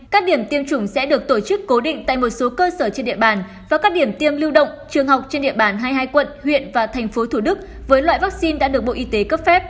các điểm tiêm chủng sẽ được tổ chức cố định tại một số cơ sở trên địa bàn và các điểm tiêm lưu động trường học trên địa bàn hai mươi hai quận huyện và thành phố thủ đức với loại vaccine đã được bộ y tế cấp phép